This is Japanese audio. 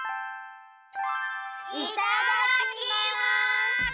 いただきます！